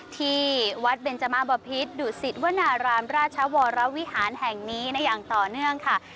ที่วัดเบนจมาบพิษดุสิตวนารามราชวรวิหารแห่งนี้ได้อย่างต่อเนื่องค่ะ